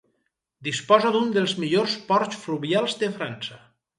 Disposa d'un dels millors ports fluvials de França.